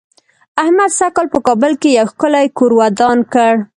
احمد سږ کال په کابل کې یو ښکلی کور ودان کړ.